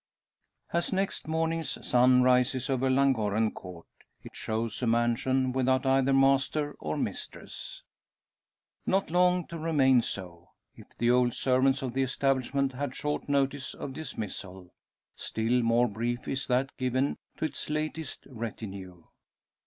As next morning's sun rises over Llangorren Court, it shows a mansion without either master or mistress! Not long to remain so. If the old servants of the establishment had short notice of dismissal, still more brief is that given to its latest retinue.